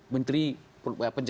menteri pencetak utang misalnya